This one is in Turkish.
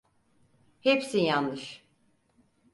Hepsi yanlış.